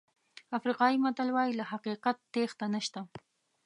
افریقایي متل وایي له حقیقت تېښته نشته.